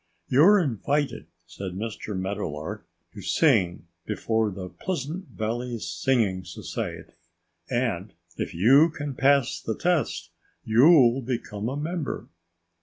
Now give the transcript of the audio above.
"You're invited," said Mr. Meadowlark, "to sing before the Pleasant Valley Singing Society. And if you can pass the test you'll become a member."